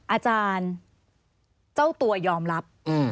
อาจารย์เจ้าตัวยอมรับ